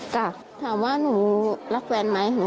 จะได้รเงิน